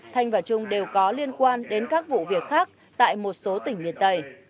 thanh và trung đều có liên quan đến các vụ việc khác tại một số tỉnh miền tây